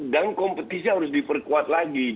dan kompetisi harus diperkuat lagi